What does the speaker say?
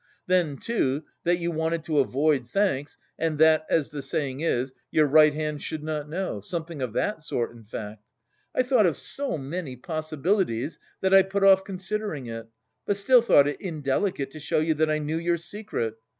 Then, too, that you wanted to avoid thanks and that, as the saying is, your right hand should not know... something of that sort, in fact. I thought of so many possibilities that I put off considering it, but still thought it indelicate to show you that I knew your secret.